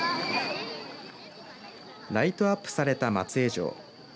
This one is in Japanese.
ライトアップされた松江城。